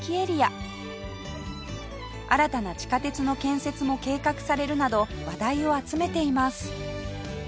新たな地下鉄の建設も計画されるなど話題を集めています